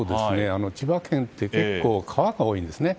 千葉県って結構川が多いんですね。